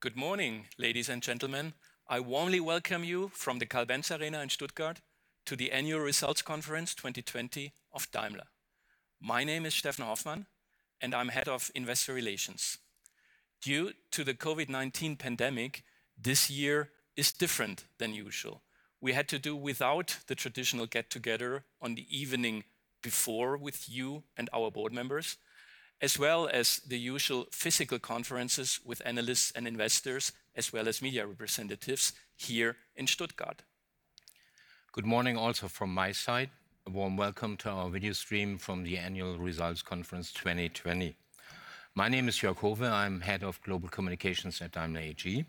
Good morning, ladies and gentlemen. I warmly welcome you from the Carl Benz Arena in Stuttgart to the Annual Results Conference 2020 of Daimler. My name is Steffen Hoffmann, and I'm Head of Investor Relations. Due to the COVID-19 pandemic, this year is different than usual. We had to do without the traditional get-together on the evening before with you and our board members, as well as the usual physical conferences with analysts and investors, as well as media representatives here in Stuttgart. Good morning also from my side. A warm welcome to our video stream from the Annual Results Conference 2020. My name is Jörg Howe. I am Head of Global Communications at Daimler AG.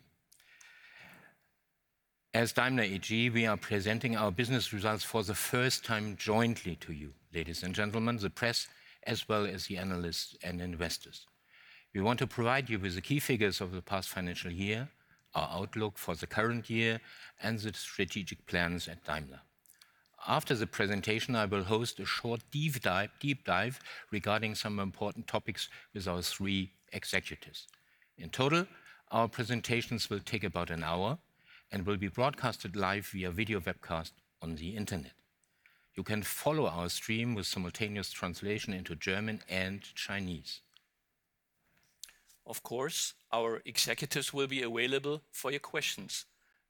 As Daimler AG, we are presenting our business results for the first time jointly to you, ladies and gentlemen, the press, as well as the analysts and investors. We want to provide you with the key figures of the past financial year, our outlook for the current year, and the strategic plans at Daimler. After the presentation, I will host a short deep dive regarding some important topics with our three executives. In total, our presentations will take about an hour and will be broadcasted live via video webcast on the internet. You can follow our stream with simultaneous translation into German and Chinese. Of course, our executives will be available for your questions.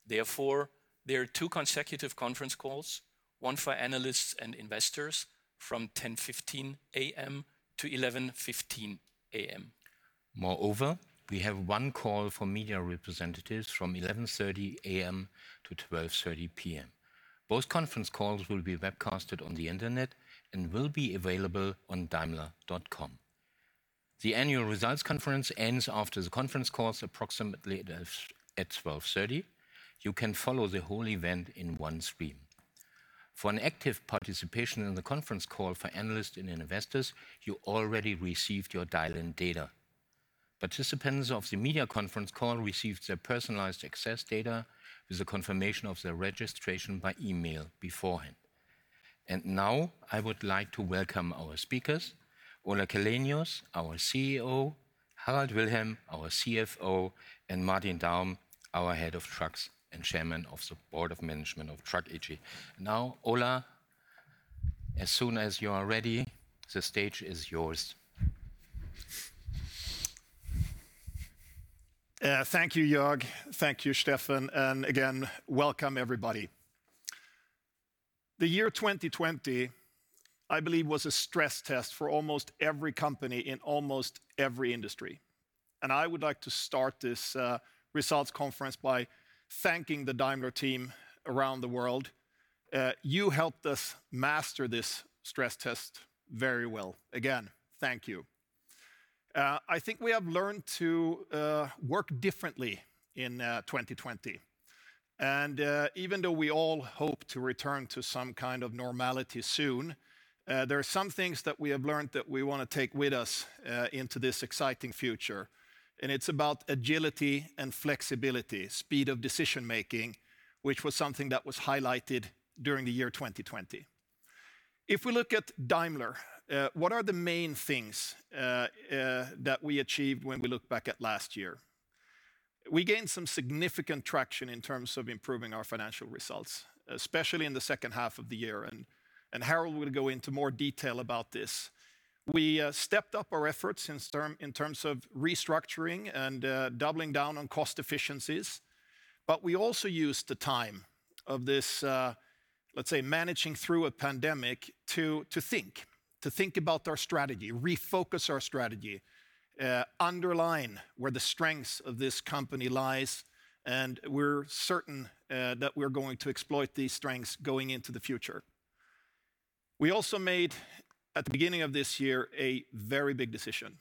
Therefore, there are two consecutive conference calls, one for analysts and investors from 10:15 A.M. to 11:15 A.M. Moreover, we have one call for media representatives from 11:30 AM to 12:30 PM. Both conference calls will be webcasted on the internet and will be available on daimler.com. The annual results conference ends after the conference calls approximately at 12:30. You can follow the whole event in one stream. For an active participation in the conference call for analysts and investors, you already received your dial-in data. Participants of the media conference call received their personalized access data with the confirmation of their registration by email beforehand. Now, I would like to welcome our speakers, Ola Källenius, our CEO, Harald Wilhelm, our CFO, and Martin Daum, our Head of Trucks and Chairman of the Board of Management of Truck AG. Now, Ola, as soon as you are ready, the stage is yours. Thank you, Jörg. Thank you, Steffen. Again, welcome everybody. The year 2020, I believe, was a stress test for almost every company in almost every industry. I would like to start this results conference by thanking the Daimler team around the world. You helped us master this stress test very well. Again, thank you. I think we have learned to work differently in 2020. Even though we all hope to return to some kind of normality soon, there are some things that we have learned that we want to take with us into this exciting future. It's about agility and flexibility, speed of decision-making, which was something that was highlighted during the year 2020. If we look at Daimler, what are the main things that we achieved when we look back at last year? We gained some significant traction in terms of improving our financial results, especially in the second half of the year, and Harald will go into more detail about this. We stepped up our efforts in terms of restructuring and doubling down on cost efficiencies, but we also used the time of this, let's say, managing through a pandemic to think about our strategy, refocus our strategy, underline where the strengths of this company lie, and we're certain that we're going to exploit these strengths going into the future. We also made, at the beginning of this year, a very big decision.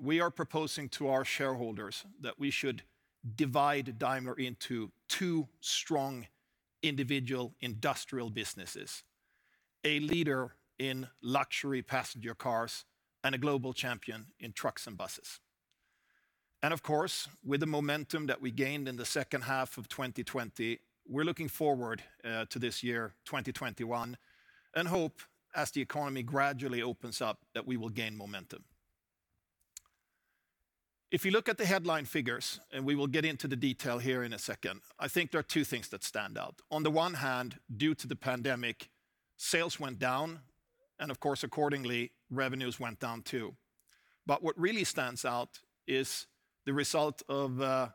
We are proposing to our shareholders that we should divide Daimler into two strong individual industrial businesses, a leader in luxury passenger cars, and a global champion in trucks and buses. Of course, with the momentum that we gained in the second half of 2020, we're looking forward to this year, 2021, and hope as the economy gradually opens up, that we will gain momentum. If you look at the headline figures, and we will get into the detail here in a second, I think there are two things that stand out. On the one hand, due to the pandemic, sales went down, and of course, accordingly, revenues went down, too. What really stands out is the result of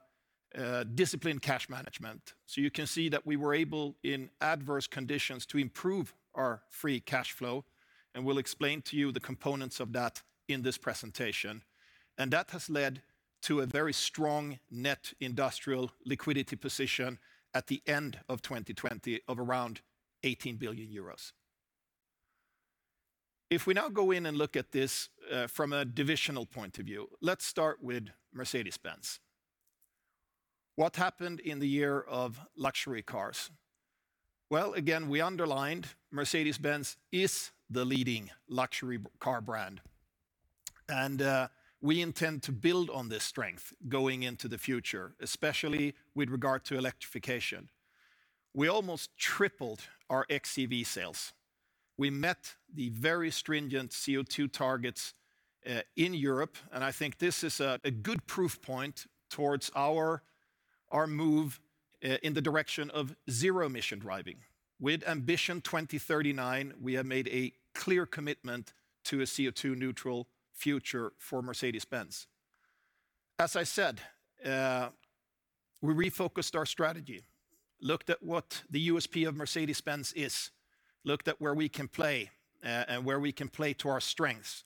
disciplined cash management. You can see that we were able, in adverse conditions, to improve our free cash flow, and we'll explain to you the components of that in this presentation. That has led to a very strong net industrial liquidity position at the end of 2020 of around 18 billion euros. If we now go in and look at this from a divisional point of view, let's start with Mercedes-Benz. What happened in the year of luxury cars? Well, again, we underlined Mercedes-Benz is the leading luxury car brand. We intend to build on this strength going into the future, especially with regard to electrification. We almost tripled our xEV sales. We met the very stringent CO2 targets in Europe, and I think this is a good proof point towards our move in the direction of zero emission driving. With Ambition 2039, we have made a clear commitment to a CO2-neutral future for Mercedes-Benz. As I said, we refocused our strategy, looked at what the USP of Mercedes-Benz is, looked at where we can play, and where we can play to our strengths.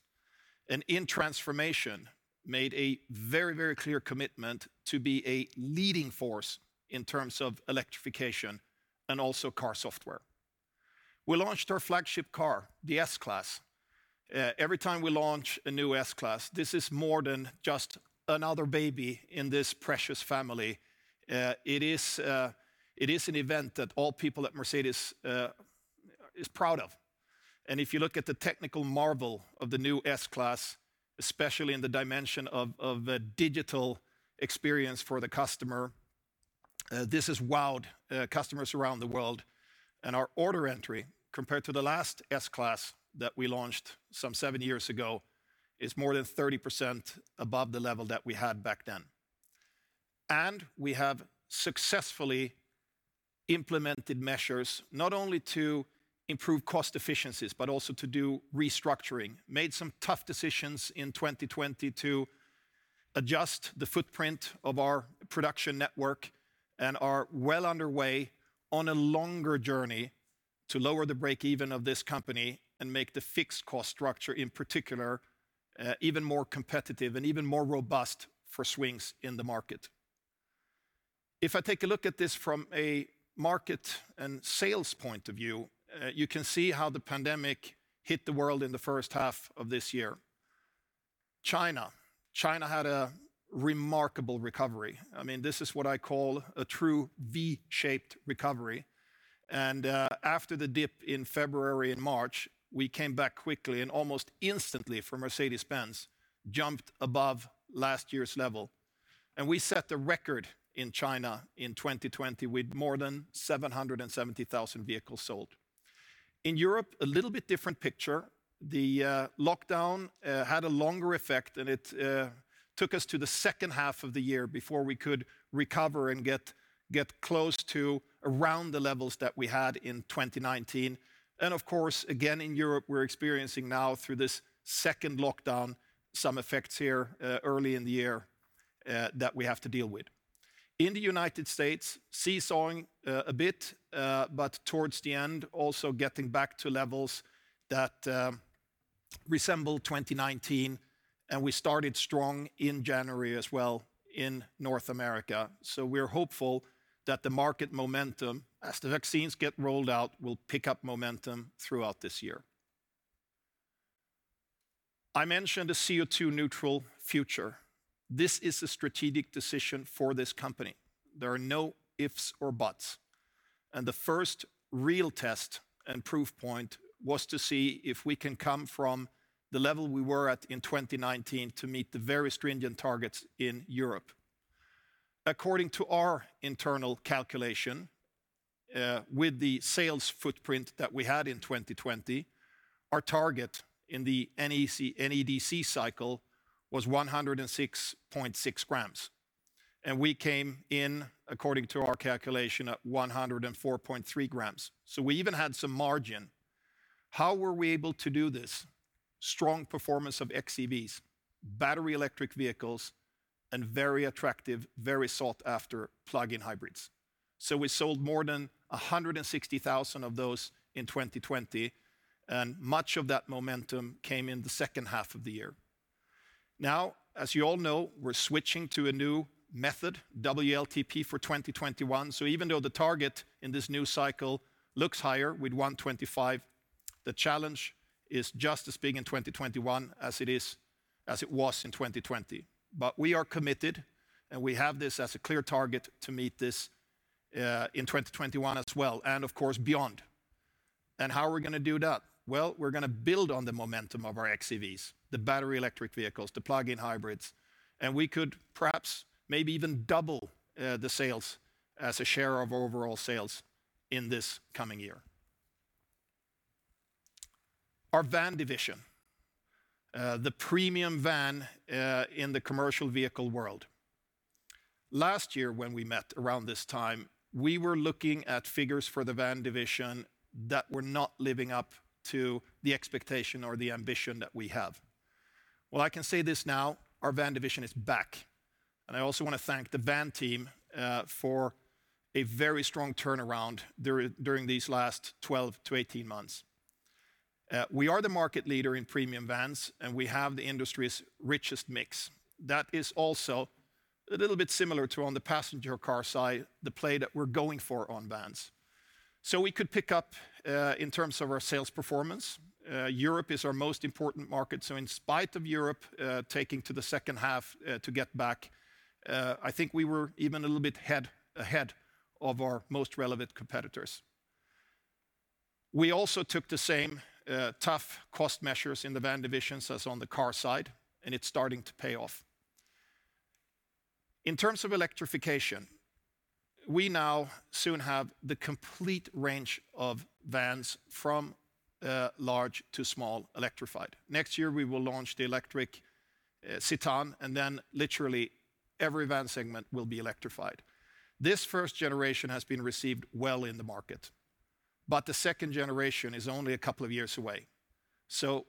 In transformation, made a very clear commitment to be a leading force in terms of electrification and also car software. We launched our flagship car, the S-Class. Every time we launch a new S-Class, this is more than just another baby in this precious family. It is an event that all people at Mercedes are proud of. If you look at the technical marvel of the new S-Class, especially in the dimension of a digital experience for the customer, this has wowed customers around the world. Our order entry, compared to the last S-Class that we launched some seven years ago, is more than 30% above the level that we had back then. We have successfully implemented measures not only to improve cost efficiencies, but also to do restructuring. Made some tough decisions in 2020 to adjust the footprint of our production network and are well underway on a longer journey to lower the break-even of this company and make the fixed cost structure, in particular, even more competitive and even more robust for swings in the market. If I take a look at this from a market and sales point of view, you can see how the pandemic hit the world in the first half of this year. China. China had a remarkable recovery. This is what I call a true V-shaped recovery. After the dip in February and March, we came back quickly and almost instantly for Mercedes-Benz, jumped above last year's level. We set the record in China in 2020 with more than 770,000 vehicles sold. In Europe, a little bit different picture. The lockdown had a longer effect, it took us to the second half of the year before we could recover and get close to around the levels that we had in 2019. Of course, again, in Europe, we're experiencing now through this second lockdown, some effects here early in the year that we have to deal with. In the United States, seesawing a bit, but towards the end, also getting back to levels that resembled 2019, and we started strong in January as well in North America. We're hopeful that the market momentum, as the vaccines get rolled out, will pick up momentum throughout this year. I mentioned a CO2-neutral future. This is a strategic decision for this company. There are no ifs or buts. The first real test and proof point was to see if we can come from the level we were at in 2019 to meet the very stringent targets in Europe. According to our internal calculation, with the sales footprint that we had in 2020, our target in the NEDC cycle was 106.6 g We came in, according to our calculation, at 104.3 g. We even had some margin. How were we able to do this? Strong performance of xEVs, battery electric vehicles, and very attractive, very sought-after plug-in hybrids. We sold more than 160,000 of those in 2020, and much of that momentum came in the second half of the year. Now, as you all know, we're switching to a new method, WLTP, for 2021. Even though the target in this new cycle looks higher with 125, the challenge is just as big in 2021 as it was in 2020. We are committed, and we have this as a clear target to meet this in 2021 as well and, of course, beyond. How are we going to do that? Well, we're going to build on the momentum of our xEVs, the battery electric vehicles, the plug-in hybrids, and we could perhaps maybe even double the sales as a share of overall sales in this coming year. Our van division, the premium van in the commercial vehicle world. Last year when we met around this time, we were looking at figures for the van division that were not living up to the expectation or the ambition that we have. Well, I can say this now, our van division is back, and I also want to thank the van team for a very strong turnaround during these last 12 to 18 months. We are the market leader in premium vans, and we have the industry's richest mix. That is also a little bit similar to on the passenger car side, the play that we're going for on vans. We could pick up in terms of our sales performance. Europe is our most important market. In spite of Europe taking to the second half to get back, I think we were even a little bit ahead of our most relevant competitors. We also took the same tough cost measures in the van divisions as on the car side, and it's starting to pay off. In terms of electrification, we now soon have the complete range of vans from large to small electrified. Next year, we will launch the electric Citan, and then literally every van segment will be electrified. This first generation has been received well in the market, but the second generation is only a couple of years away.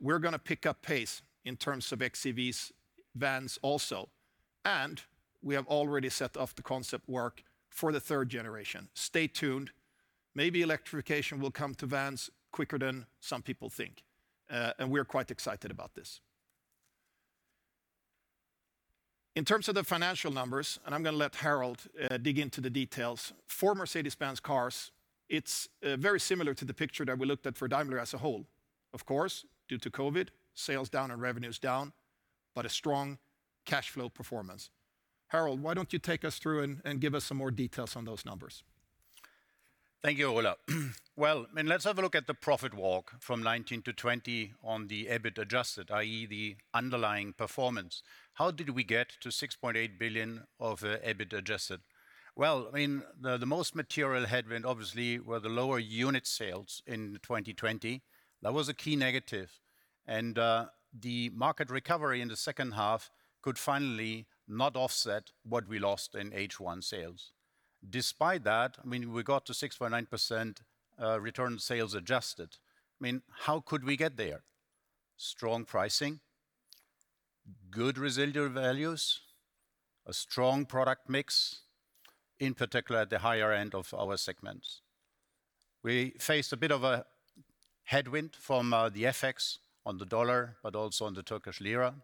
We're going to pick up pace in terms of xEVs vans also, and we have already set off the concept work for the third generation. Stay tuned. Maybe electrification will come to vans quicker than some people think. We are quite excited about this. In terms of the financial numbers, and I'm going to let Harald dig into the details. For Mercedes-Benz cars, it's very similar to the picture that we looked at for Daimler as a whole. Of course, due to COVID-19, sales down and revenues down, but a strong cash flow performance. Harald, why don't you take us through and give us some more details on those numbers. Thank you, Ola. Let's have a look at the profit walk from 2019 to 2020 on the EBIT adjusted, i.e. the underlying performance. How did we get to 6.8 billion of EBIT adjusted? The most material headwind obviously, were the lower unit sales in 2020. That was a key negative. The market recovery in the second half could finally not offset what we lost in H1 sales. Despite that, we got to 6.9% return sales adjusted. How could we get there? Strong pricing, good residual values, a strong product mix, in particular at the higher end of our segments. We faced a bit of a headwind from the FX on the U.S. dollar, but also on the Turkish lira.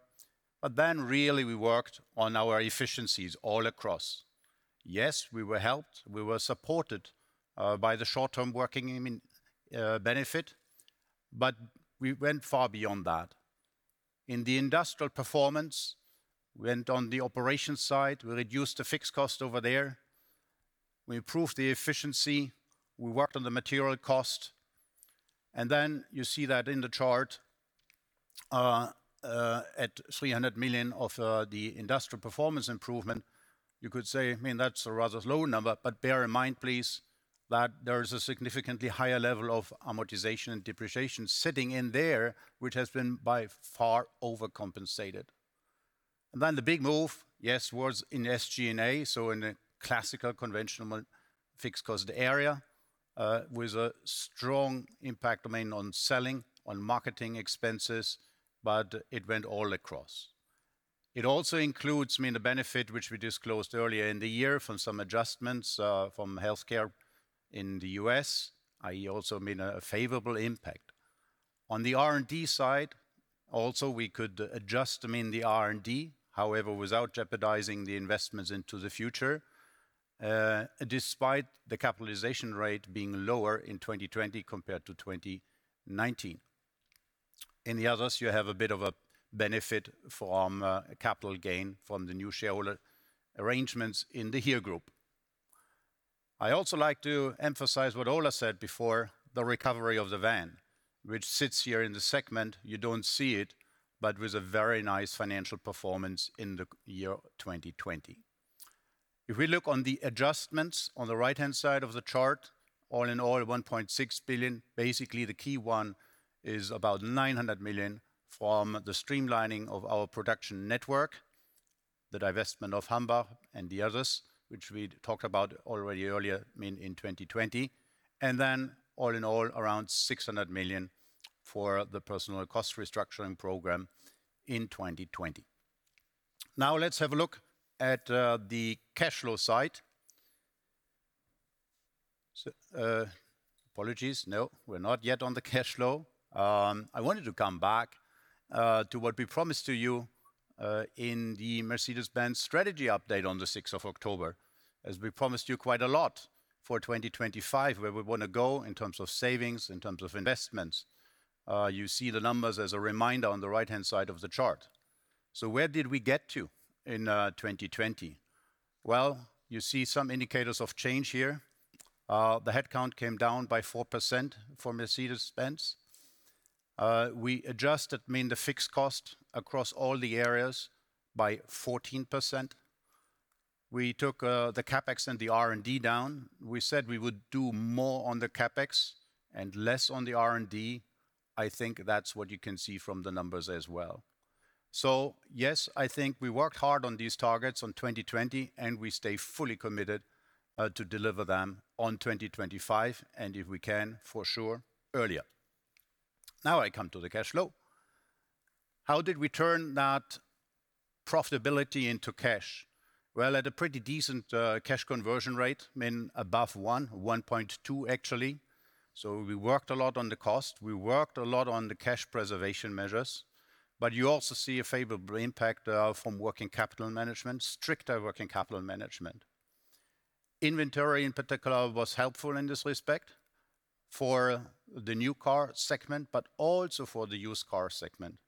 Really, we worked on our efficiencies all across. Yes, we were helped. We were supported by the short-term working benefit, but we went far beyond that. In the industrial performance, went on the operations side, we reduced the fixed cost over there. We improved the efficiency. We worked on the material cost. You see that in the chart, at 300 million of the industrial performance improvement, you could say, that's a rather low number, but bear in mind, please, that there is a significantly higher level of amortization and depreciation sitting in there, which has been by far overcompensated. The big move, yes, was in SG&A, so in a classical, conventional, fixed cost area, with a strong impact on selling, on marketing expenses, but it went all across. It also includes the benefit which we disclosed earlier in the year from some adjustments from healthcare in the U.S., i.e. also a favorable impact. On the R&D side, also, we could adjust the R&D, however, without jeopardizing the investments into the future, despite the capitalization rate being lower in 2020 compared to 2019. In the others, you have a bit of a benefit from a capital gain from the new shareholder arrangements in the HERE Group. I also like to emphasize what Ola said before, the recovery of the van, which sits here in the segment. You don't see it, but with a very nice financial performance in the year 2020. If we look on the adjustments on the right-hand side of the chart, all in all, 1.6 billion, basically the key one is about 900 million from the streamlining of our production network, the divestment of Hambach and the others, which we talked about already earlier in 2020. All in all, around 600 million for the personal cost restructuring program in 2020. Let's have a look at the cash flow side. Apologies, no, we're not yet on the cash flow. I wanted to come back to what we promised to you in the Mercedes-Benz strategy update on the 6th of October, as we promised you quite a lot for 2025, where we want to go in terms of savings, in terms of investments. You see the numbers as a reminder on the right-hand side of the chart. Where did we get to in 2020? Well, you see some indicators of change here. The headcount came down by 4% for Mercedes-Benz. We adjusted the fixed cost across all the areas by 14%. We took the CapEx and the R&D down. We said we would do more on the CapEx and less on the R&D. I think that's what you can see from the numbers as well. Yes, I think we worked hard on these targets on 2020, and we stay fully committed to deliver them on 2025, and if we can, for sure, earlier. I come to the cash flow. How did we turn that profitability into cash? At a pretty decent cash conversion rate, above 1.2 actually. We worked a lot on the cost. We worked a lot on the cash preservation measures. You also see a favorable impact from working capital management, stricter working capital management. Inventory, in particular, was helpful in this respect for the new car segment, but also for the used car segment.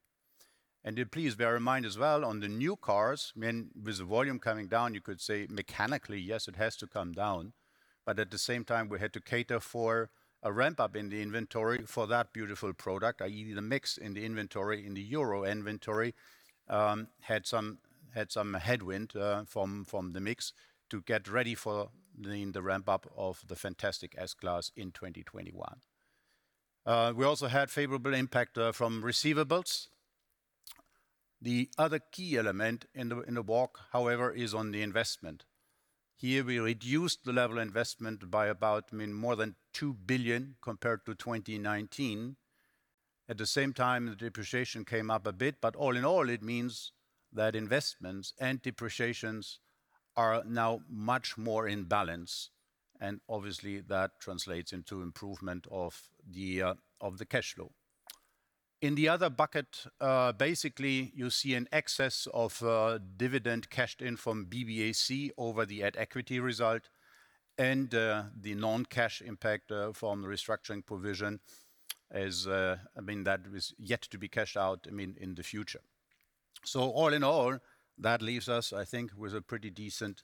Please bear in mind as well, on the new cars, with the volume coming down, you could say mechanically, yes, it has to come down. At the same time, we had to cater for a ramp-up in the inventory for that beautiful product, i.e., the mix in the inventory, in the Euro inventory, had some headwind from the mix to get ready for the ramp-up of the fantastic S-Class in 2021. We also had favorable impact from receivables. The other key element in the walk, however, is on the investment. Here, we reduced the level investment by about more than 2 billion compared to 2019. At the same time, the depreciation came up a bit, but all in all, it means that investments and depreciations are now much more in balance, and obviously, that translates into improvement of the cash flow. In the other bucket, basically, you see an excess of dividend cashed in from BBAC over the at-equity result and the non-cash impact from the restructuring provision, I mean, that is yet to be cashed out in the future. All in all, that leaves us, I think, with a pretty decent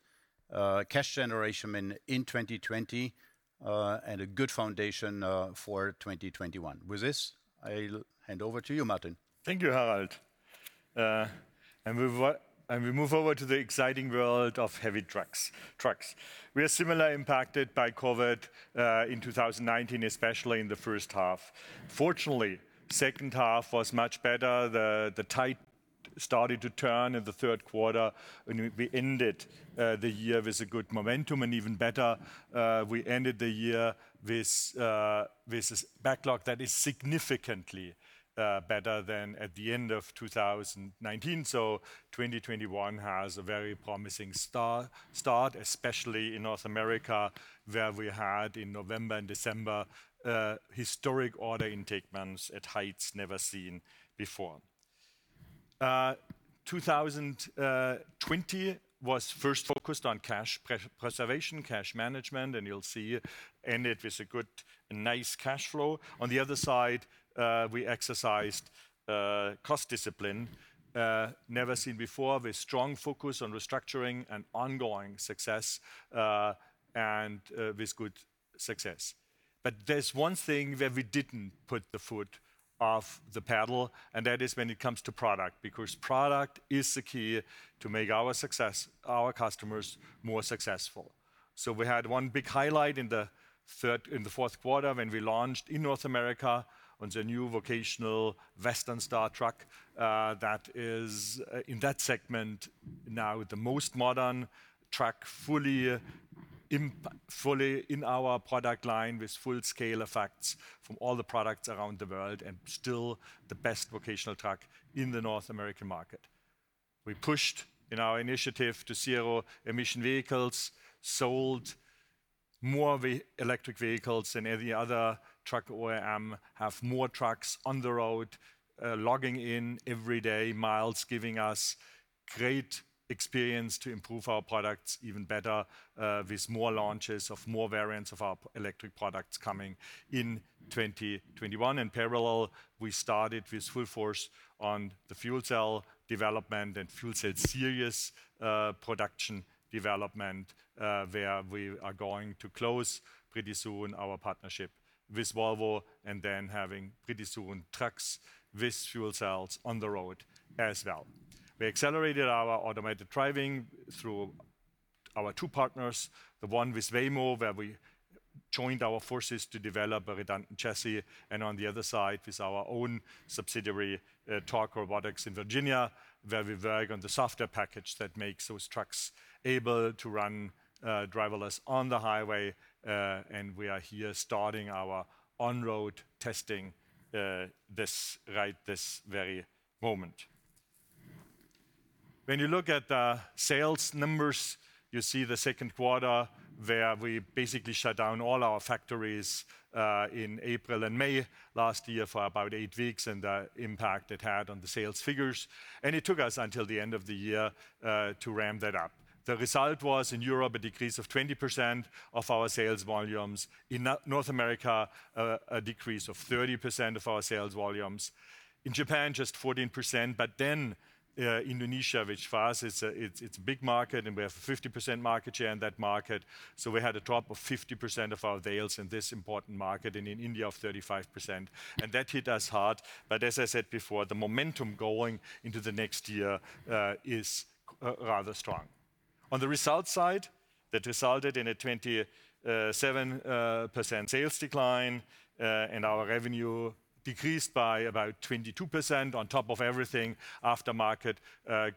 cash generation in 2020, and a good foundation for 2021. With this, I hand over to you, Martin. Thank you, Harald. We move over to the exciting world of heavy trucks. We are similar impacted by COVID in 2019, especially in the first half. Fortunately, second half was much better. The tide started to turn in the third quarter, and we ended the year with a good momentum. Even better, we ended the year with this backlog that is significantly better than at the end of 2019. 2021 has a very promising start, especially in North America, where we had in November and December, historic order intake months at heights never seen before. 2020 was first focused on cash preservation, cash management, and you'll see, ended with a good, nice cash flow. On the other side, we exercised cost discipline never seen before with strong focus on restructuring and ongoing success, and with good success. There's one thing where we didn't put the foot off the pedal, and that is when it comes to product. Product is the key to make our customers more successful. We had one big highlight in the fourth quarter when we launched in North America the new vocational Western Star truck, that is in that segment now the most modern truck fully in our product line with full-scale effects from all the products around the world and still the best vocational truck in the North American market. We pushed in our initiative to zero emission vehicles, sold more electric vehicles than any other truck OEM, have more trucks on the road, logging in every day miles, giving us great experience to improve our products even better, with more launches of more variants of our electric products coming in 2021. In parallel, we started with full force on the fuel cell development and fuel cell serious production development, where we are going to close pretty soon our partnership with Volvo and then having pretty soon trucks with fuel cells on the road as well. We accelerated our automated driving through our two partners, the one with Waymo, where we joined our forces to develop a redundant chassis, and on the other side with our own subsidiary, Torc Robotics in Virginia, where we work on the software package that makes those trucks able to run driverless on the highway. We are here starting our on-road testing right this very moment. When you look at the sales numbers, you see the second quarter, where we basically shut down all our factories, in April and May last year for about eight weeks, and the impact it had on the sales figures. It took us until the end of the year to ramp that up. The result was, in Europe, a decrease of 20% of our sales volumes. In North America, a decrease of 30% of our sales volumes. In Japan, just 14%. Indonesia, which for us it's a big market and we have 50% market share in that market. We had a drop of 50% of our sales in this important market and in India of 35%. That hit us hard. As I said before, the momentum going into the next year is rather strong. On the result side, that resulted in a 27% sales decline, and our revenue decreased by about 22%. On top of everything, aftermarket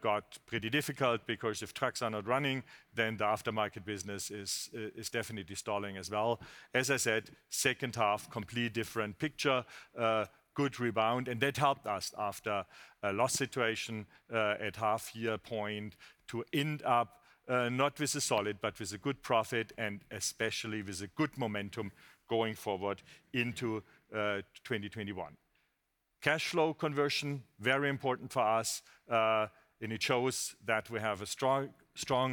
got pretty difficult because if trucks are not running, then the aftermarket business is definitely stalling as well. As I said, second half, complete different picture. Good rebound, that helped us after a loss situation, at half-year point to end up, not with a solid, but with a good profit and especially with a good momentum going forward into 2021. Cash flow conversion, very important for us. It shows that we have a strong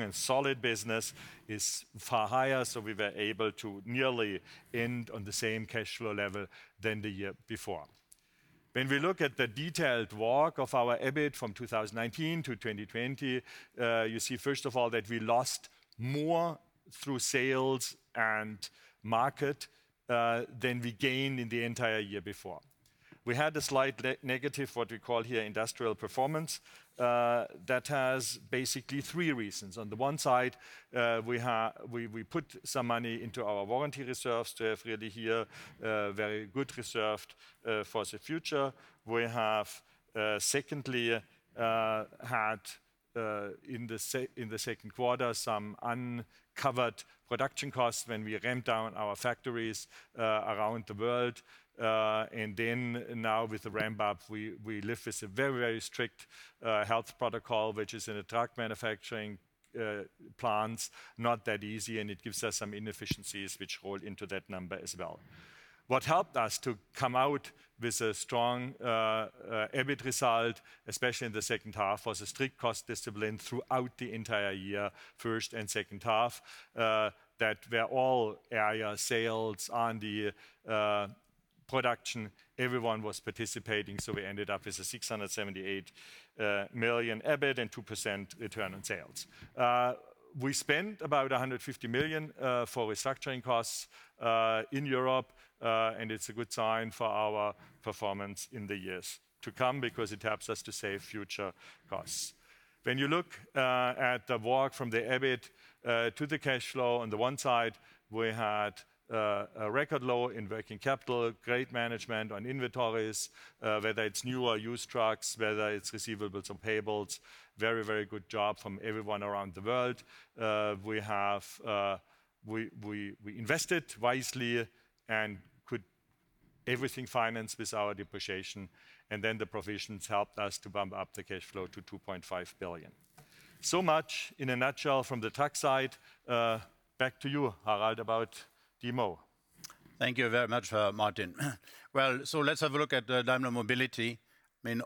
and solid business, is far higher, so we were able to nearly end on the same cash flow level than the year before. When we look at the detailed walk of our EBIT from 2019-2020, you see, first of all, that we lost more through sales and market than we gained in the entire year before. We had a slight negative, what we call here, industrial performance. That has basically three reasons. On the one side, we put some money into our warranty reserves to have really here very good reserves for the future. We have, secondly, had, in the second quarter, some uncovered production costs when we ramped down our factories around the world. Now with the ramp-up, we live with a very strict health protocol, which is in a truck manufacturing plant, not that easy, and it gives us some inefficiencies which hold into that number as well. What helped us to come out with a strong EBIT result, especially in the second half, was a strict cost discipline throughout the entire year, first and second half, that where all area sales on the production, everyone was participating. We ended up with a 678 million EBIT and 2% return on sales. We spent about 150 million for restructuring costs in Europe, and it's a good sign for our performance in the years to come because it helps us to save future costs. When you look at the walk from the EBIT to the cash flow, on the one side, we had a record low in working capital, great management on inventories, whether it's new or used trucks, whether it's receivables or payables. Very good job from everyone around the world. We invested wisely and could everything finance with our depreciation, and then the provisions helped us to bump up the cash flow to 2.5 billion. Much in a nutshell from the truck side. Back to you, Harald, about DMO. Thank you very much, Martin. Let's have a look at Daimler Mobility.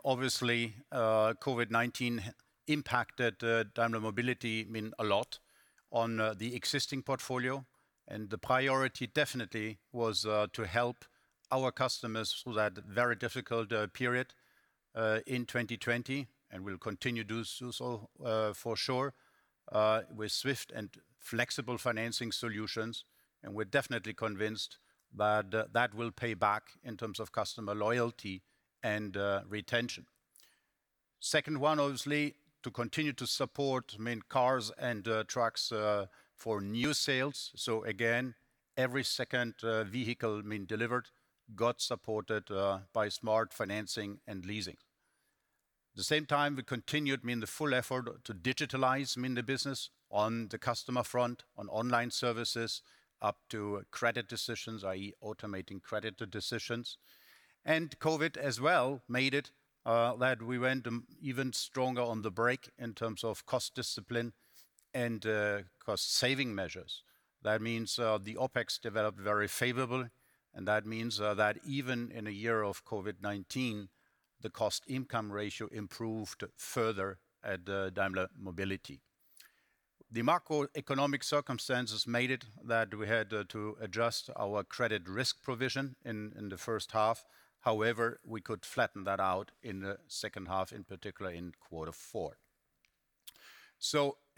Obviously, COVID-19 impacted Daimler Mobility a lot on the existing portfolio, and the priority definitely was to help our customers through that very difficult period in 2020 and will continue to do so for sure, with swift and flexible financing solutions. We're definitely convinced that that will pay back in terms of customer loyalty and retention. Second one, obviously, to continue to support cars and trucks for new sales. Again, every second vehicle delivered got supported by smart financing and leasing. At the same time, we continued the full effort to digitalize the business on the customer front, on online services, up to credit decisions, i.e., automating credit decisions. COVID as well made it that we went even stronger on the brake in terms of cost discipline and cost-saving measures. That means the OpEx developed very favorable, and that means that even in a year of COVID-19, the cost-income ratio improved further at Daimler Mobility. The macroeconomic circumstances made it that we had to adjust our credit risk provision in the first half. However, we could flatten that out in the second half, in particular in quarter four.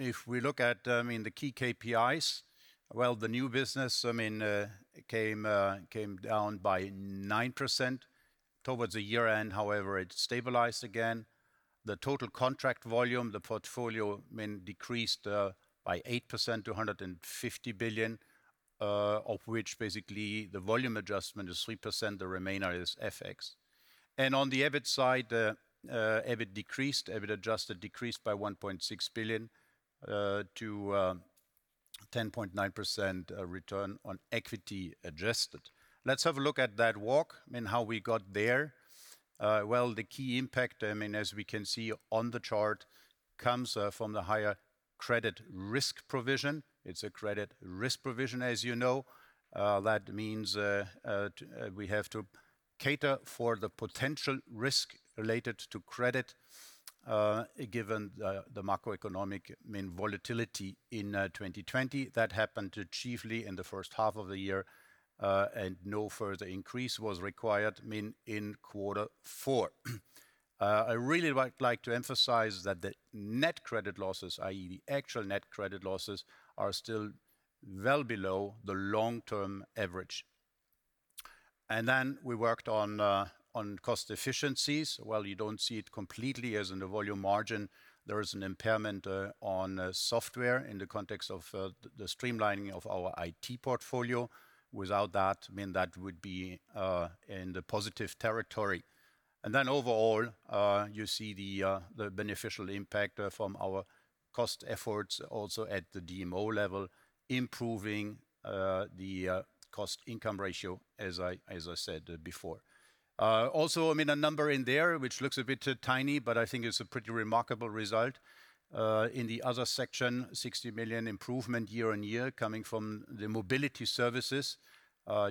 If we look at the key KPIs, well, the new business came down by 9%. Towards the year-end, however, it stabilized again. The total contract volume, the portfolio, decreased by 8% to 150 billion, of which basically the volume adjustment is 3%, the remainder is FX. On the EBIT side, EBIT adjusted decreased by EUR 1.6 billion to 10.9% return on equity adjusted. Let's have a look at that walk and how we got there. Well, the key impact, as we can see on the chart, comes from the higher credit risk provision. It's a credit risk provision, as you know. That means we have to cater for the potential risk related to credit, given the macroeconomic volatility in 2020. That happened chiefly in the first half of the year. No further increase was required in quarter four. I really would like to emphasize that the net credit losses, i.e., the actual net credit losses, are still well below the long-term average. We worked on cost efficiencies. While you don't see it completely as in the volume margin, there is an impairment on software in the context of the streamlining of our IT portfolio. Without that would be in the positive territory. Overall, you see the beneficial impact from our cost efforts also at the DMO level, improving the cost-income ratio, as I said before. A number in there which looks a bit tiny, but I think it's a pretty remarkable result. In the other section, 60 million improvement year-on-year coming from the mobility services.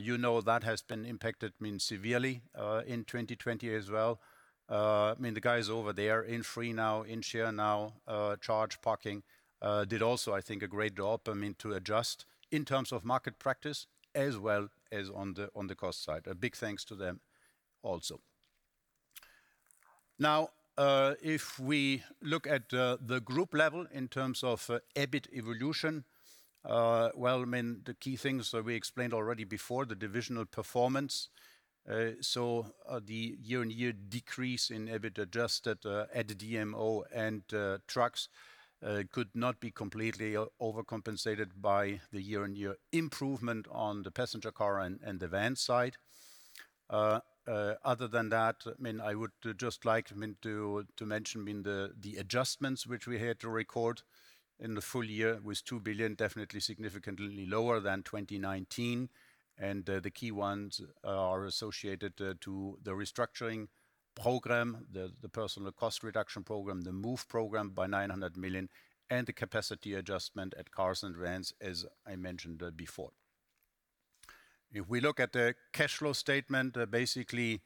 You know that has been impacted severely in 2020 as well. The guys over there in FREE NOW, in SHARE NOW, CHARGE NOW, PARK NOW, did also, I think, a great job to adjust in terms of market practice as well as on the cost side. A big thanks to them also. If we look at the group level in terms of EBIT evolution, the key things that we explained already before, the divisional performance. The year-on-year decrease in EBIT adjusted at DMO and Trucks could not be completely overcompensated by the year-on-year improvement on the passenger car and the van side. Other than that, I would just like to mention the adjustments which we had to record in the full year with 2 billion, definitely significantly lower than 2019. The key ones are associated to the restructuring program, the personal cost reduction program, the MOVE! Program by 900 million, and the capacity adjustment at cars and vans, as I mentioned before. We look at the cash flow statement, basically,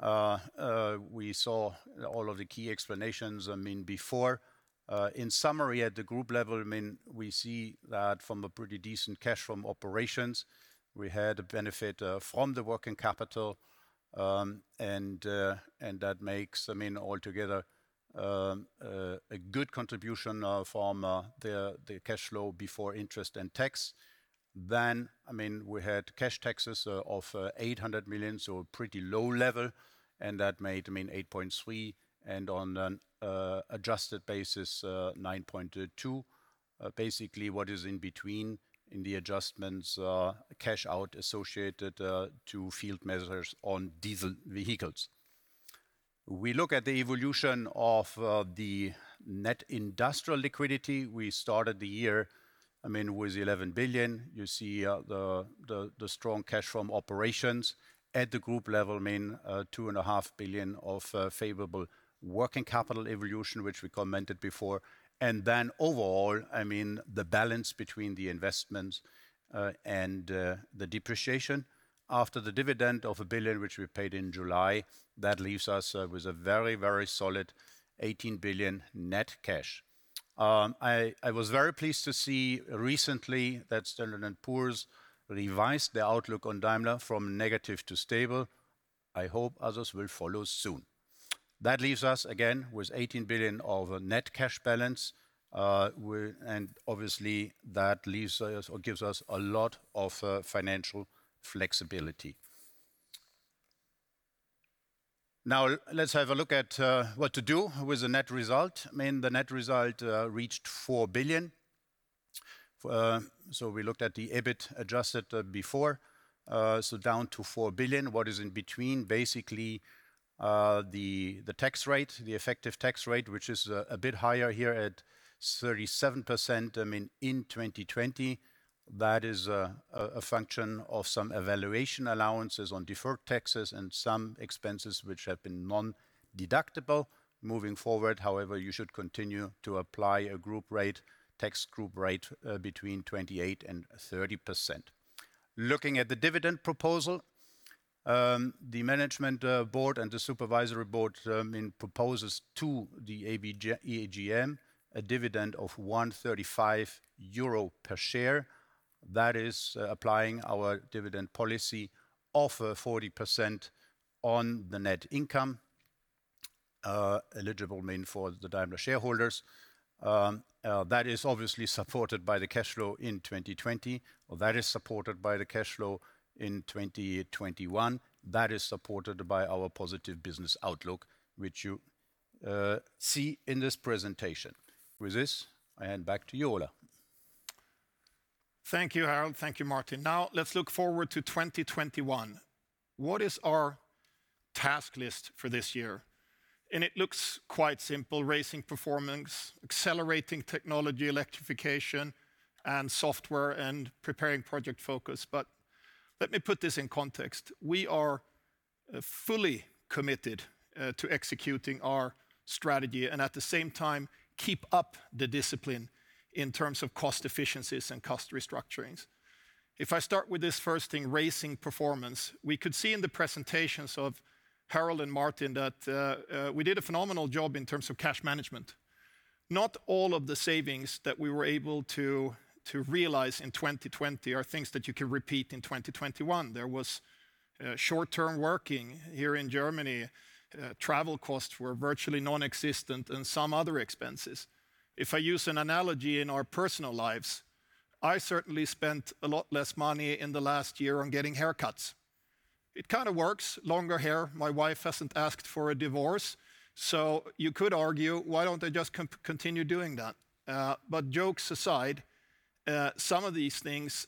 we saw all of the key explanations before. In summary, at the group level, we see that from a pretty decent cash from operations, we had a benefit from the working capital, and that makes altogether a good contribution from the cash flow before interest and tax. We had cash taxes of 800 million, so a pretty low level, and that made 8.3 and on an adjusted basis, 9.2. Basically, what is in between in the adjustments, cash out associated to field measures on diesel vehicles. We look at the evolution of the net industrial liquidity. We started the year with 11 billion. You see the strong cash from operations at the group level, 2.5 billion of favorable working capital evolution, which we commented before. Overall, the balance between the investments and the depreciation after the dividend of 1 billion, which we paid in July, that leaves us with a very solid 18 billion net cash. I was very pleased to see recently that Standard & Poor's revised the outlook on Daimler from negative to stable. I hope others will follow soon. That leaves us, again, with 18 billion of net cash balance. Obviously, that gives us a lot of financial flexibility. Now, let's have a look at what to do with the net result. The net result reached 4 billion. We looked at the EBIT adjusted before, down to 4 billion. What is in between, basically, the tax rate, the effective tax rate, which is a bit higher here at 37% in 2020. That is a function of some evaluation allowances on deferred taxes and some expenses which have been non-deductible. Moving forward, however, you should continue to apply a tax group rate between 28% and 30%. Looking at the dividend proposal, the management board and the supervisory board proposes to the AGM a dividend of 1.35 euro per share. That is applying our dividend policy of 40% on the net income, eligible for the Daimler shareholders. That is obviously supported by the cash flow in 2020. That is supported by the cash flow in 2021. That is supported by our positive business outlook, which you see in this presentation. With this, I hand back to you, Ola. Thank you, Harald. Thank you, Martin. Now, let's look forward to 2021. What is our task list for this year? It looks quite simple, raising performance, accelerating technology, electrification and software, and preparing Project Focus. Let me put this in context. We are fully committed to executing our strategy and, at the same time, keep up the discipline in terms of cost efficiencies and cost restructurings. I start with this first thing, raising performance, we could see in the presentations of Harald and Martin that we did a phenomenal job in terms of cash management. Not all of the savings that we were able to realize in 2020 are things that you can repeat in 2021. There was short-term working here in Germany. Travel costs were virtually non-existent and some other expenses. If I use an analogy in our personal lives, I certainly spent a lot less money in the last year on getting haircuts. It kind of works. Longer hair. My wife hasn't asked for a divorce, so you could argue, why don't I just continue doing that? Jokes aside, some of these things,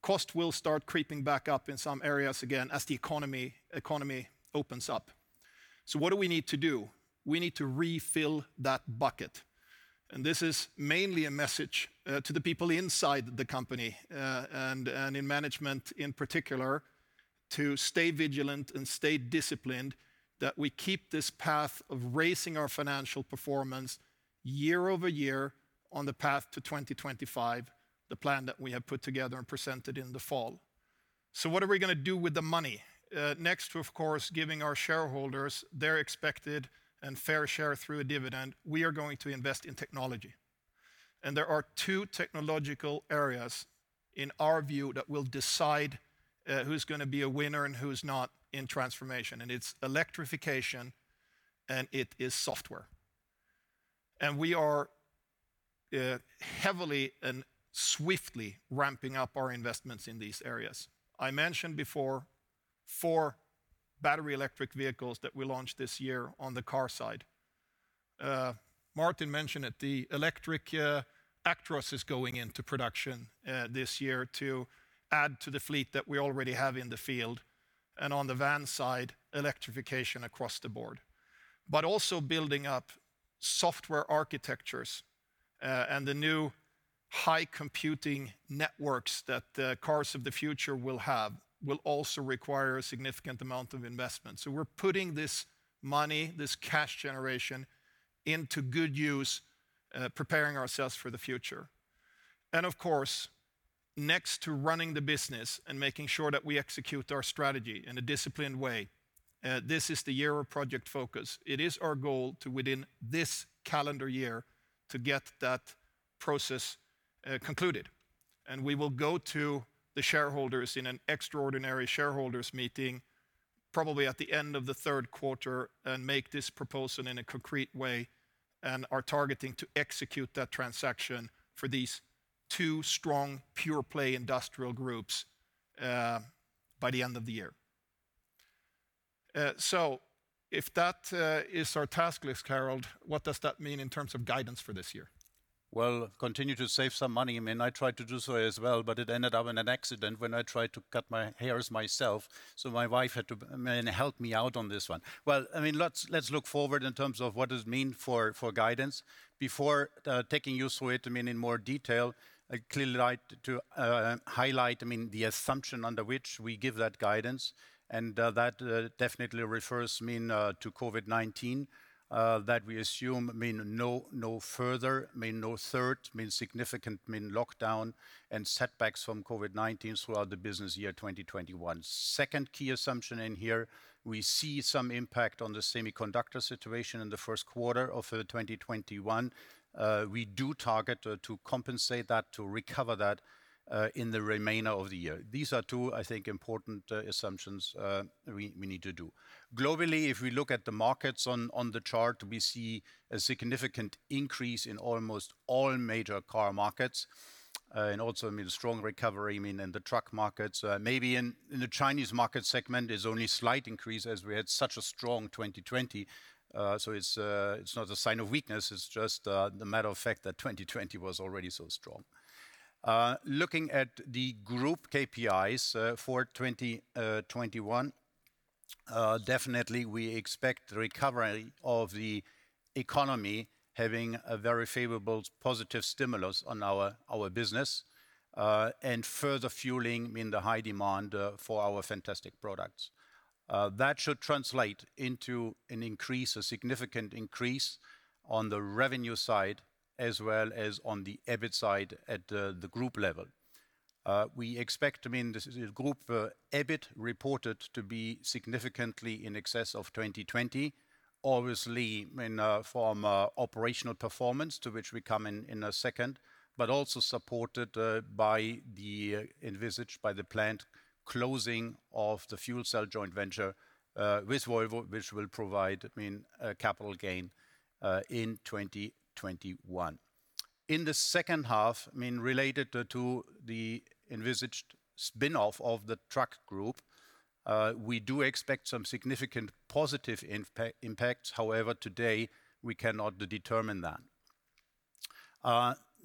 cost will start creeping back up in some areas again as the economy opens up. What do we need to do? We need to refill that bucket. This is mainly a message to the people inside the company and in management, in particular, to stay vigilant and stay disciplined, that we keep this path of raising our financial performance year-over-year on the path to 2025, the plan that we have put together and presented in the fall. What are we going to do with the money? Next, of course, giving our shareholders their expected and fair share through a dividend, we are going to invest in technology. There are two technological areas, in our view, that will decide who's going to be a winner and who's not in transformation, and it's electrification and it is software. We are heavily and swiftly ramping up our investments in these areas. I mentioned before four battery electric vehicles that we launched this year on the car side. Martin mentioned it, the eActros is going into production this year to add to the fleet that we already have in the field. On the van side, electrification across the board. Also building up software architectures, and the new high-computing networks that the cars of the future will have, will also require a significant amount of investment. We're putting this money, this cash generation, into good use, preparing ourselves for the future. Of course, next to running the business and making sure that we execute our strategy in a disciplined way, this is the year of Project Focus. It is our goal to, within this calendar year, to get that process concluded. We will go to the shareholders in an extraordinary shareholders meeting, probably at the end of the third quarter, and make this proposal in a concrete way, and are targeting to execute that transaction for these two strong, pure-play industrial groups by the end of the year. If that is our task list, Harald, what does that mean in terms of guidance for this year? Continue to save some money. I tried to do so as well, but it ended up in an accident when I tried to cut my hair myself. My wife had to help me out on this one. Let's look forward in terms of what it means for guidance. Before taking you through it in more detail, I clearly like to highlight the assumption under which we give that guidance. That definitely refers to COVID-19, that we assume no further, no third significant lockdown and setbacks from COVID-19 throughout the business year 2021. Second key assumption in here, we see some impact on the semiconductor situation in the first quarter of 2021. We do target to compensate that, to recover that in the remainder of the year. These are two, I think, important assumptions we need to do. Globally, if we look at the markets on the chart, we see a significant increase in almost all major car markets. Also a strong recovery in the truck markets. Maybe in the Chinese market segment, there's only slight increase as we had such a strong 2020. It's not a sign of weakness, it's just the matter of fact that 2020 was already so strong. Looking at the group KPIs for 2021, definitely we expect recovery of the economy having a very favorable, positive stimulus on our business, and further fueling the high demand for our fantastic products. That should translate into a significant increase on the revenue side as well as on the EBIT side at the group level. We expect this group EBIT reported to be significantly in excess of 2020. Obviously, from operational performance, to which we come in a second, but also supported by the envisaged, by the planned closing of the fuel cell joint venture with Volvo, which will provide a capital gain in 2021. In the second half, related to the envisaged spin-off of the truck group, we do expect some significant positive impacts. However, today, we cannot determine that.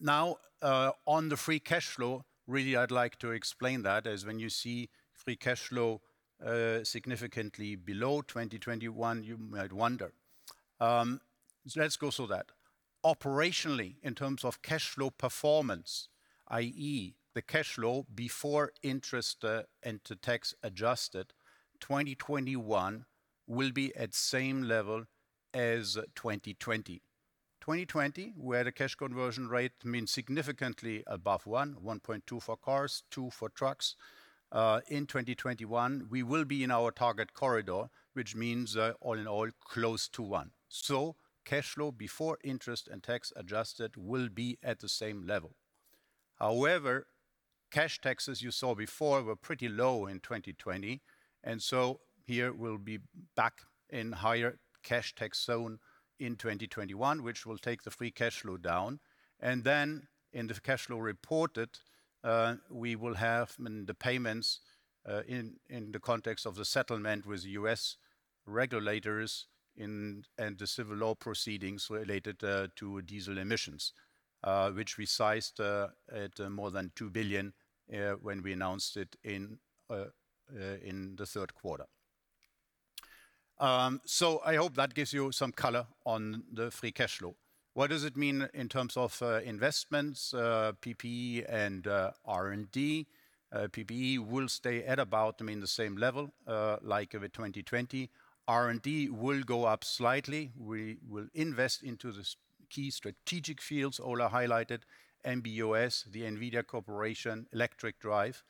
Now, on the free cash flow, really, I'd like to explain that, as when you see free cash flow significantly below 2021, you might wonder. Let's go through that. Operationally, in terms of cash flow performance, i.e., the cash flow before interest and to tax adjusted, 2021 will be at same level as 2020. 2020, we had a cash conversion rate significantly above one, 1.2 for cars, two for trucks. In 2021, we will be in our target corridor, which means all in all, close to one. Cash flow before interest and tax adjusted will be at the same level. However, cash taxes you saw before were pretty low in 2020. Here we'll be back in higher cash tax zone in 2021, which will take the free cash flow down. In the cash flow reported, we will have the payments in the context of the settlement with U.S. regulators and the civil law proceedings related to diesel emissions, which we sized at more than 2 billion when we announced it in the third quarter. I hope that gives you some color on the free cash flow. What does it mean in terms of investments, PPE, and R&D? PPE will stay at about the same level, like of at 2020. R&D will go up slightly. We will invest into the key strategic fields Ola highlighted, MB.OS, the NVIDIA cooperation, electric drive,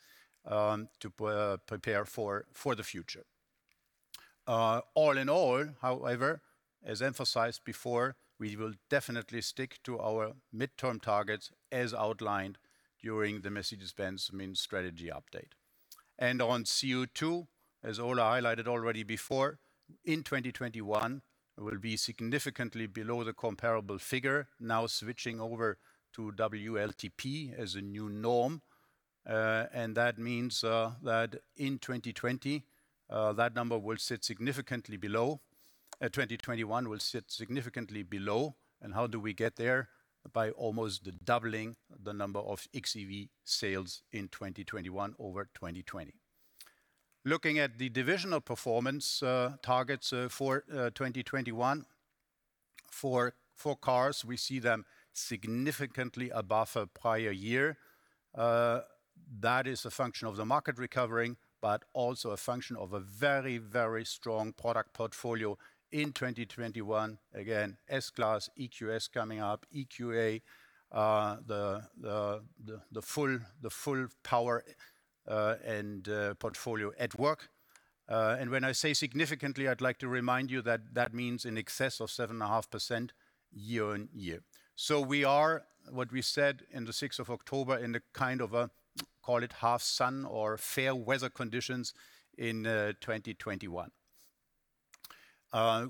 to prepare for the future. All in all, however, as emphasized before, we will definitely stick to our midterm targets as outlined during the Mercedes-Benz strategy update. On CO2, as Ola highlighted already before, in 2021, it will be significantly below the comparable figure, now switching over to WLTP as a new norm. That means that in 2020, that number will sit significantly below. 2021 will sit significantly below. How do we get there? By almost doubling the number of xEV sales in 2021 over 2020. Looking at the divisional performance targets for 2021. For cars, we see them significantly above prior year. That is a function of the market recovering, but also a function of a very strong product portfolio in 2021. S-Class, EQS coming up, EQA, the full power and portfolio at work. When I say significantly, I'd like to remind you that that means in excess of 7.5% year-on-year. We are, what we said in the 6th of October, in the kind of, call it half sun or fair weather conditions in 2021.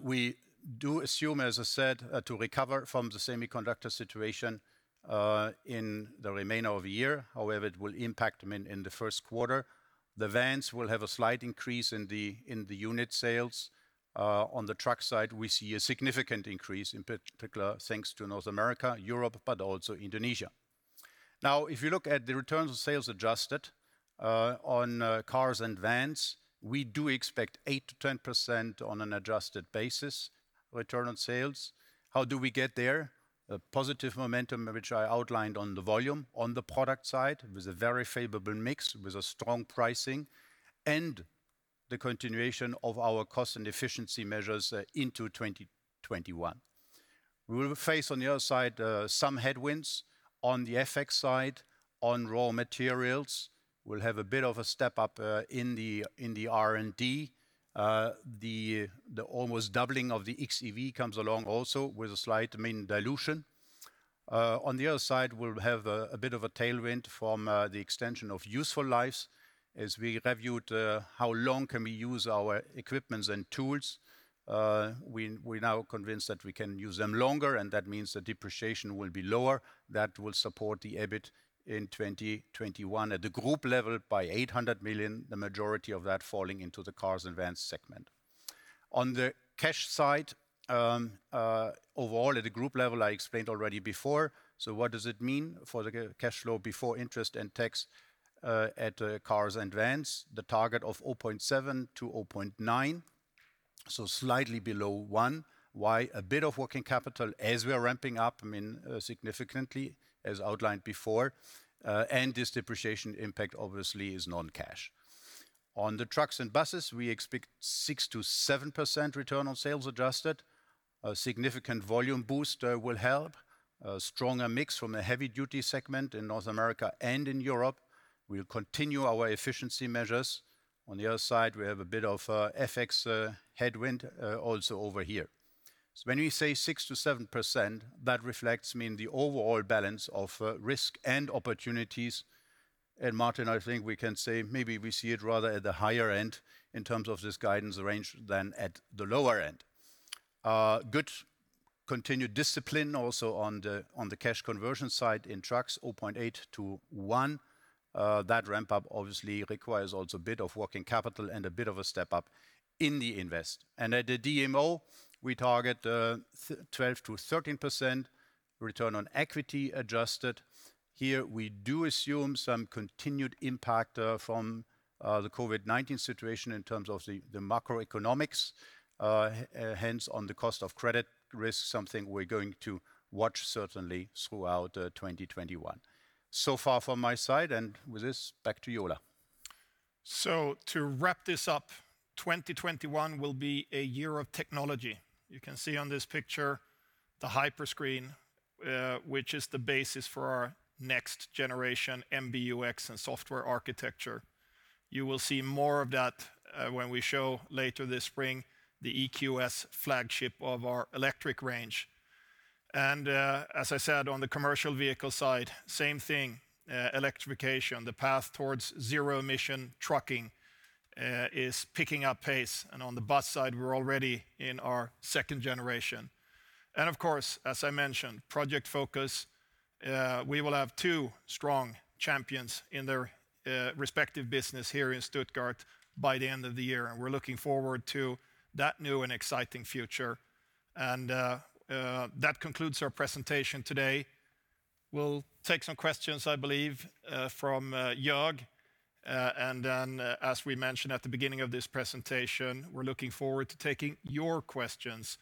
We do assume, as I said, to recover from the semiconductor situation in the remainder of the year, however, it will impact in the first quarter. The vans will have a slight increase in the unit sales. On the truck side, we see a significant increase, in particular, thanks to North America, Europe, but also Indonesia. If you look at the returns of sales adjusted on cars and vans, we do expect 8%-10% on an adjusted basis, return on sales. How do we get there? A positive momentum, which I outlined on the volume on the product side, with a very favorable mix, with a strong pricing, and the continuation of our cost and efficiency measures into 2021. We will face, on the other side, some headwinds on the FX side, on raw materials. We'll have a bit of a step-up in the R&D. The almost doubling of the xEV comes along also with a slight margin dilution. On the other side, we'll have a bit of a tailwind from the extension of useful lives. As we reviewed how long can we use our equipments and tools, we're now convinced that we can use them longer, and that means the depreciation will be lower. That will support the EBIT in 2021 at the group level by 800 million, the majority of that falling into the cars and vans segment. On the cash side, overall at the group level, I explained already before. What does it mean for the cash flow before interest and tax at cars and vans? The target of 0.7-0.9, slightly below one. Why? A bit of working capital as we are ramping up, significantly as outlined before. This depreciation impact, obviously, is non-cash. On the trucks and buses, we expect 6%-7% return on sales adjusted. A significant volume boost will help. A stronger mix from a heavy-duty segment in North America and in Europe. We'll continue our efficiency measures. On the other side, we have a bit of FX headwind also over here. When we say 6%-7%, that reflects the overall balance of risk and opportunities. Martin, I think we can say maybe we see it rather at the higher end in terms of this guidance range than at the lower end. Good continued discipline also on the cash conversion side in trucks, 0.8-1. That ramp-up obviously requires also a bit of working capital and a bit of a step-up in the invest. At the DMO, we target 12%-13% return on equity adjusted. Here, we do assume some continued impact from the COVID-19 situation in terms of the macroeconomics, hence on the cost of credit risk, something we're going to watch certainly throughout 2021. Far from my side, and with this, back to you, Ola. To wrap this up, 2021 will be a year of technology. You can see on this picture the Hyperscreen, which is the basis for our next generation MBUX and software architecture. You will see more of that when we show later this spring the EQS flagship of our electric range. As I said, on the commercial vehicle side, same thing, electrification. The path towards zero-emission trucking is picking up pace. On the bus side, we're already in our second generation. Of course, as I mentioned, Project Focus, we will have two strong champions in their respective business here in Stuttgart by the end of the year, and we're looking forward to that new and exciting future. That concludes our presentation today. We'll take some questions, I believe, from Jörg. As we mentioned at the beginning of this presentation, we're looking forward to taking your questions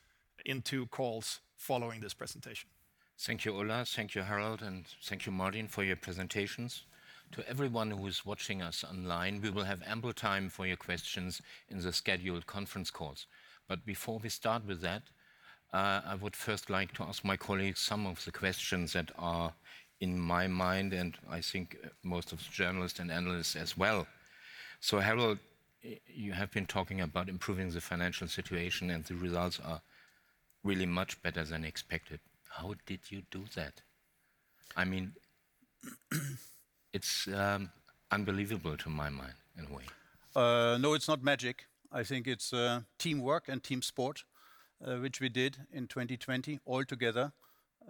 in two calls following this presentation. Thank you, Ola, thank you, Harald, and thank you, Martin, for your presentations. Before we start with that, I would first like to ask my colleagues some of the questions that are in my mind, and I think most of the journalists and analysts as well. Harald, you have been talking about improving the financial situation, and the results are really much better than expected. How did you do that? It is unbelievable to my mind, in a way. No, it's not magic. I think it's teamwork and team sport, which we did in 2020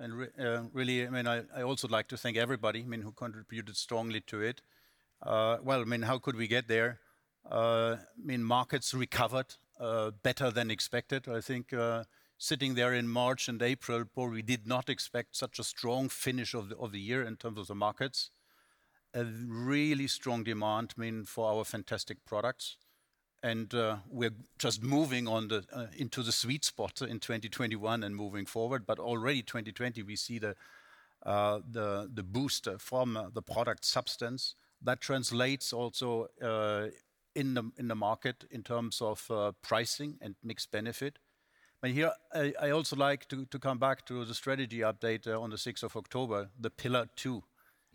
altogether. Really, I also like to thank everybody who contributed strongly to it. Well, how could we get there? Markets recovered better than expected. I think sitting there in March and April, probably did not expect such a strong finish of the year in terms of the markets. A really strong demand for our fantastic products. We're just moving into the sweet spot in 2021 and moving forward. Already 2020, we see the boost from the product substance. That translates also in the market in terms of pricing and mixed benefit. Here, I also like to come back to the strategy update on the 6th of October, the pillar two,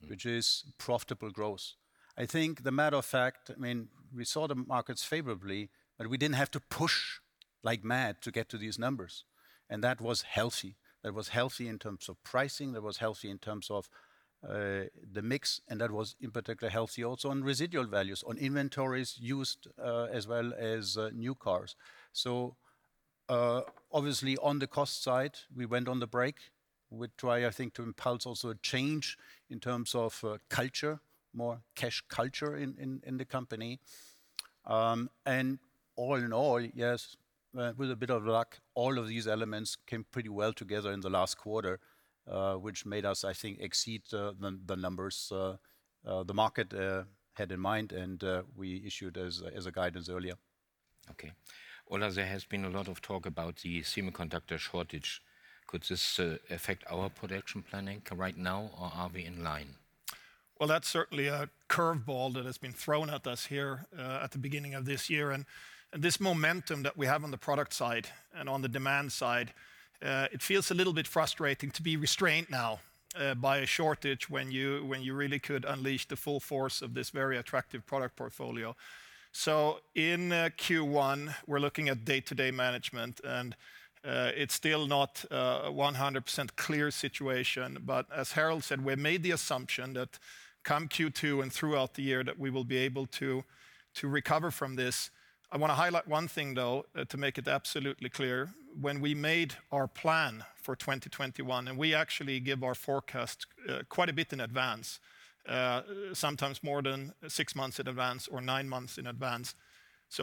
which is profitable growth. I think the matter of fact, we saw the markets favorably. We didn't have to push like mad to get to these numbers. That was healthy. That was healthy in terms of pricing, that was healthy in terms of the mix. That was in particular healthy also on residual values, on inventories used, as well as new cars. Obviously on the cost side, we went on the break. We try, I think, to impulse also a change in terms of culture, more cash culture in the company. All in all, yes, with a bit of luck, all of these elements came pretty well together in the last quarter, which made us, I think, exceed the numbers the market had in mind, and we issued as a guidance earlier. Okay. Ola, there has been a lot of talk about the semiconductor shortage. Could this affect our production planning right now, or are we in line? Well, that's certainly a curveball that has been thrown at us here, at the beginning of this year. This momentum that we have on the product side and on the demand side, it feels a little bit frustrating to be restrained now by a shortage when you really could unleash the full force of this very attractive product portfolio. In Q1, we're looking at day-to-day management, and it's still not 100% clear situation. As Harald said, we made the assumption that come Q2 and throughout the year, that we will be able to recover from this. I want to highlight one thing, though, to make it absolutely clear. When we made our plan for 2021, and we actually give our forecast quite a bit in advance, sometimes more than six months in advance or nine months in advance.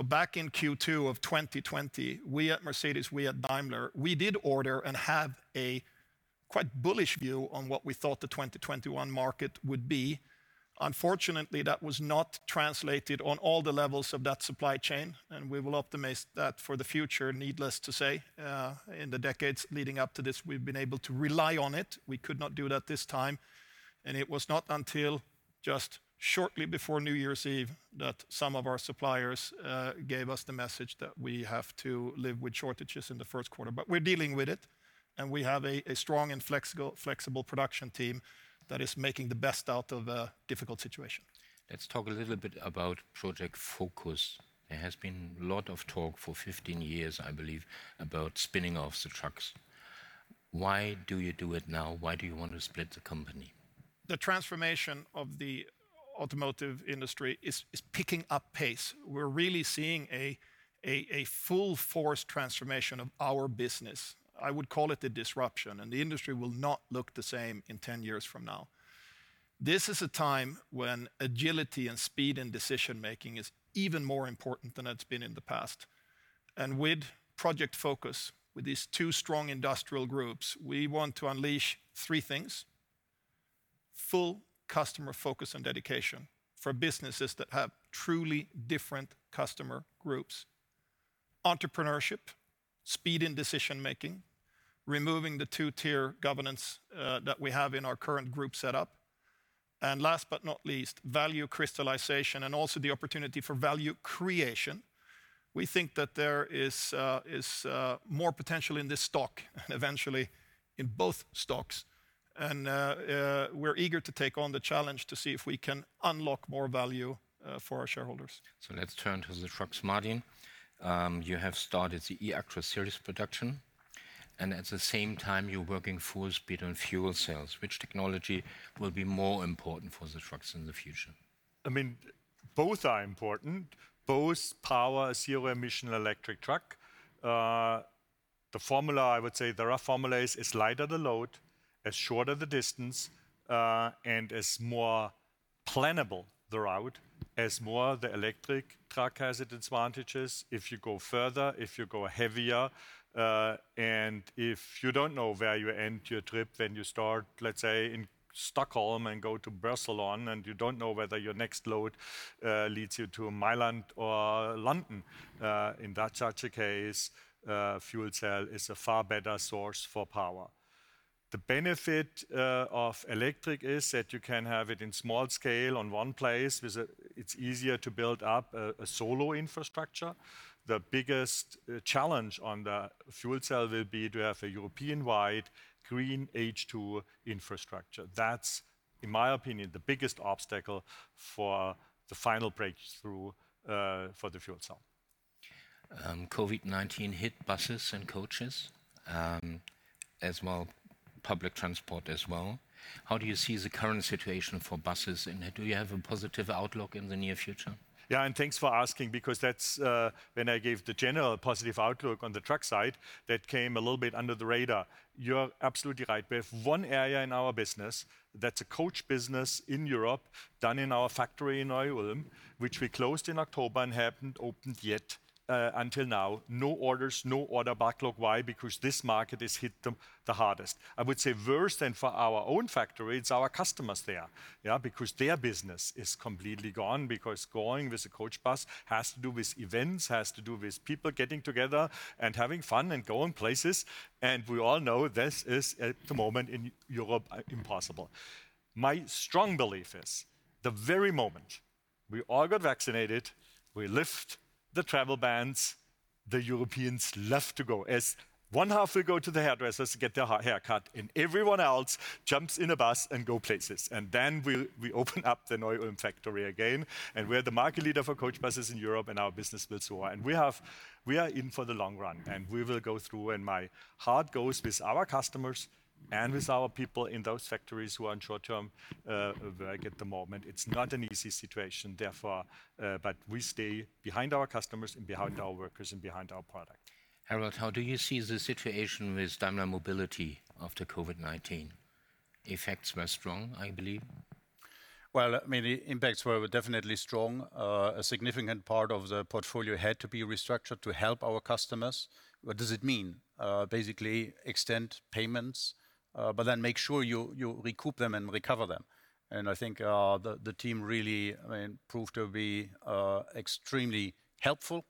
Back in Q2 of 2020, we at Mercedes, we at Daimler, we did order and have a quite bullish view on what we thought the 2021 market would be. Unfortunately, that was not translated on all the levels of that supply chain, and we will optimize that for the future, needless to say. In the decades leading up to this, we've been able to rely on it. We could not do that this time, and it was not until just shortly before New Year's Eve that some of our suppliers gave us the message that we have to live with shortages in the first quarter. We're dealing with it, and we have a strong and flexible production team that is making the best out of a difficult situation. Let's talk a little bit about Project Focus. There has been a lot of talk for 15 years, I believe, about spinning off the trucks. Why do you do it now? Why do you want to split the company? The transformation of the automotive industry is picking up pace. We're really seeing a full force transformation of our business. I would call it a disruption, and the industry will not look the same in 10 years from now. This is a time when agility and speed in decision-making is even more important than it's been in the past. With Project Focus, with these two strong industrial groups, we want to unleash three things: full customer focus and dedication for businesses that have truly different customer groups, entrepreneurship, speed in decision-making, removing the two-tier governance that we have in our current group set up. Last but not least, value crystallization and also the opportunity for value creation. We think that there is more potential in this stock and eventually in both stocks. We're eager to take on the challenge to see if we can unlock more value for our shareholders. Let's turn to the trucks, Martin. You have started the eActros series production, and at the same time, you're working full speed on fuel cells. Which technology will be more important for the trucks in the future? Both are important. Both power a zero-emission electric truck. The formula, I would say, the rough formula is, as lighter the load, as shorter the distance, and as more plannable the route, as more the electric truck has its advantages. If you go further, if you go heavier, and if you don't know where you end your trip, you start, let's say, in Stockholm and go to Barcelona, and you don't know whether your next load leads you to Milan or London. In that such a case, fuel cell is a far better source for power. The benefit of electric is that you can have it in small scale in one place. It's easier to build up a solo infrastructure. The biggest challenge on the fuel cell will be to have a European-wide green H2 infrastructure. That's, in my opinion, the biggest obstacle for the final breakthrough for the fuel cell. COVID-19 hit buses and coaches, as well public transport as well. How do you see the current situation for buses, and do you have a positive outlook in the near future? Thanks for asking because that's when I gave the general positive outlook on the truck side, that came a little bit under the radar. You're absolutely right. We have one area in our business that's a coach business in Europe, done in our factory in Neu-Ulm, which we closed in October and haven't opened yet until now. No orders, no order backlog. Why? Because this market is hit the hardest. I would say worse than for our own factory, it's our customers there. Because their business is completely gone, because going with a coach bus has to do with events, has to do with people getting together and having fun and going places. We all know this is, at the moment, in Europe, impossible. My strong belief is the very moment we all got vaccinated, we lift the travel bans, the Europeans love to go. As one half will go to the hairdresser to get their hair cut, and everyone else jumps in a bus and go places. Then we open up the Neu-Ulm factory again. We're the market leader for coach buses in Europe, and our business will soar. We are in for the long run, and we will go through. My heart goes with our customers and with our people in those factories who are on short-term work at the moment. It's not an easy situation, therefore, but we stay behind our customers and behind our workers and behind our product. Harald, how do you see the situation with Daimler Mobility after COVID-19? Effects were strong, I believe. Well, the impacts were definitely strong. A significant part of the portfolio had to be restructured to help our customers. What does it mean? Basically, extend payments, make sure you recoup them and recover them. I think the team really proved to be extremely helpful.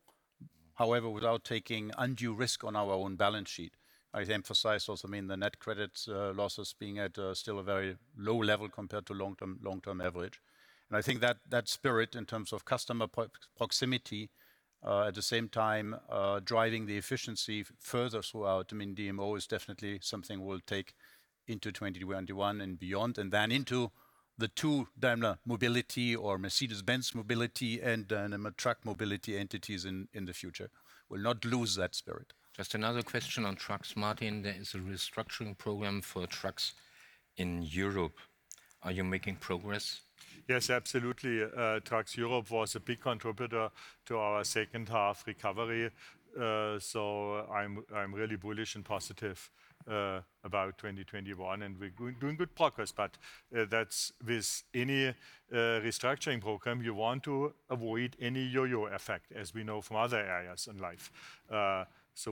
However, without taking undue risk on our own balance sheet. I emphasize also the net credit losses being at still a very low level compared to long-term average. I think that spirit in terms of customer proximity, at the same time, driving the efficiency further throughout DMO is definitely something we'll take into 2021 and beyond, and then into the two Daimler Mobility or Mercedes-Benz Mobility and Truck Mobility entities in the future. We'll not lose that spirit. Just another question on trucks, Martin. There is a restructuring program for trucks in Europe. Are you making progress? Yes, absolutely. Trucks Europe was a big contributor to our second half recovery. I'm really bullish and positive about 2021, and we're doing good progress, but that's with any restructuring program, you want to avoid any yo-yo effect, as we know from other areas in life.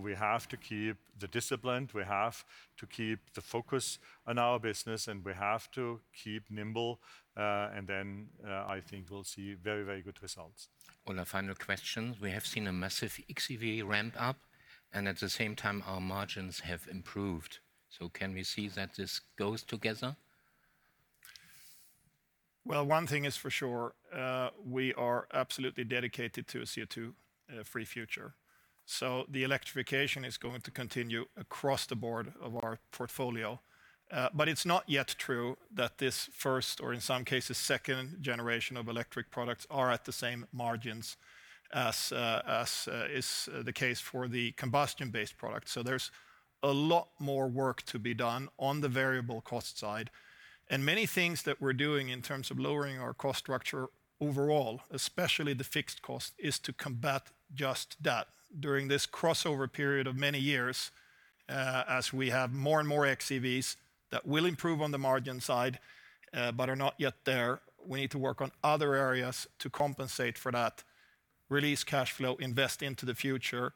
We have to keep the discipline, we have to keep the focus on our business, and we have to keep nimble, and then I think we'll see very good results. Ola, final question. We have seen a massive xEV ramp up, and at the same time, our margins have improved. Can we see that this goes together? Well, one thing is for sure, we are absolutely dedicated to a CO2-free future. The electrification is going to continue across the board of our portfolio. It's not yet true that this first, or in some cases, second generation of electric products are at the same margins as is the case for the combustion-based product. There's a lot more work to be done on the variable cost side. Many things that we're doing in terms of lowering our cost structure overall, especially the fixed cost, is to combat just that. During this crossover period of many years, as we have more and more xEVs that will improve on the margin side, but are not yet there, we need to work on other areas to compensate for that. Release cash flow, invest into the future,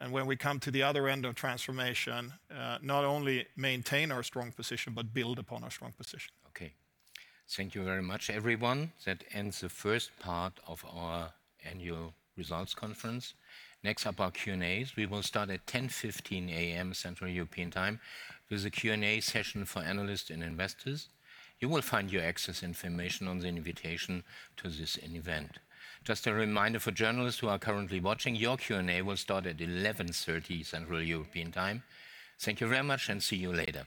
and when we come to the other end of transformation, not only maintain our strong position, but build upon our strong position. Okay. Thank you very much, everyone. That ends the first part of our annual results conference. Next up, our Q&As. We will start at 10:15 A.M. Central European Time with a Q&A session for analysts and investors. You will find your access information on the invitation to this event. Just a reminder for journalists who are currently watching, your Q&A will start at 11:30 A.M. Central European Time. Thank you very much and see you later.